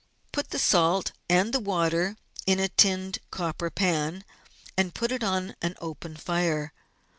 — Put the salt and the water in a tinned copper pan, and put it on an open fire.